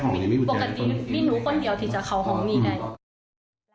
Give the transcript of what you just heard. ปกติมีหนูคนเดียวที่จะเข้าห้องนี้ได้